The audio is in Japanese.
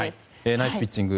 ナイスピッチング。